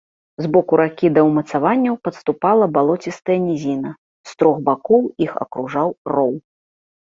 З боку ракі да ўмацаванняў падступала балоцістая нізіна, з трох бакоў іх акружаў роў.